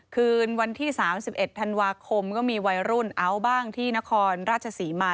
คืนวันที่๓๑ธันวาคมก็มีวัยรุ่นเอาท์บ้างที่นครราชศรีมา